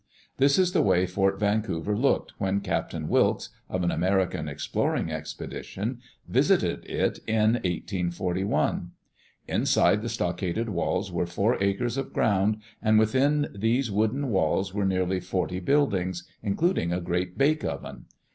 This is the way Fort Vancouver looked when Captain Wilkes, of an American exploring expedition, visited it in 1 841: Inside the stockaded walls were four acres of ground, and within these wooden walls were nearly forty buildings, including a great bake oven.